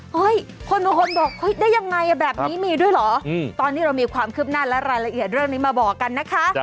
คนบางคนบอกเฮ้ยได้ยังไงแบบนี้มีด้วยเหรอตอนนี้เรามีความคืบหน้าและรายละเอียดเรื่องนี้มาบอกกันนะคะ